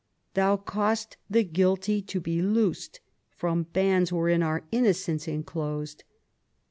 Thou caus^dst the guilty to be loosed From bands wherein are innocents enclosed.